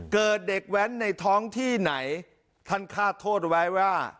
เกิดเด็กแว้นในท้องที่ไหนท่านคาดโทษไว้ว่า